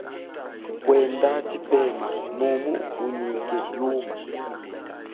Kwenda tshipema mumu unyike yuma.